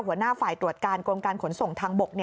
หัวหน้าฝ่ายตรวจการกรมการขนส่งทางบก